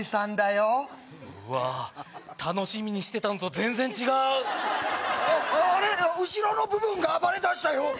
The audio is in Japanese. よわ楽しみにしてたんと全然違うあっあれ後ろの部分が暴れだしたよ